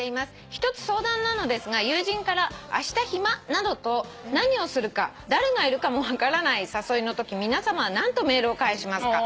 「一つ相談なのですが友人から『あした暇？』などと何をするか誰がいるかも分からない誘いのとき皆さま何とメールを返しますか？」